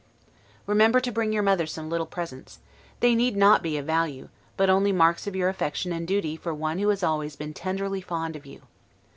Remember to bring your mother some little presents; they need not be of value, but only marks of your affection and duty for one who has always been tenderly fond of you.